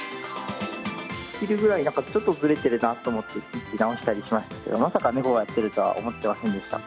昼ぐらいに、なんかちょっとずれてるなと思って、ぴって直したりしましたけど、まさか猫がやっているとは思ってませんでした。